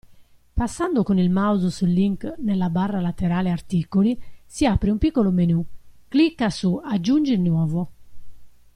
Passando con il mouse sul link nella barra laterale Articoli si apre un piccolo menù, clicca su Aggiungi nuovo.